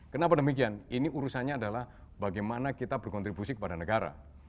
kenapa demikian ini urusannya adalah bagaimana kita berkontribusi kepada negara